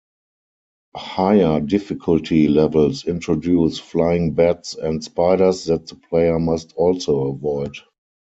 Higher difficulty levels introduce flying bats and spiders that the player must also avoid.